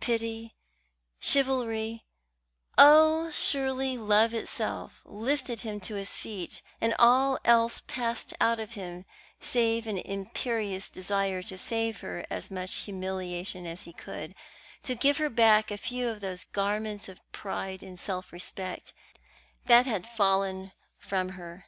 Pity, chivalry, oh, surely love itself, lifted him to his feet, and all else passed out of him save an imperious desire to save her as much humiliation as he could to give her back a few of those garments of pride and self respect that had fallen from her.